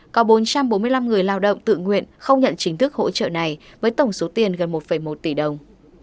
có bốn trăm bốn mươi năm người lao động tự nguyện không nhận chính thức hỗ trợ này với tổng số tiền gần một một tỷ đồng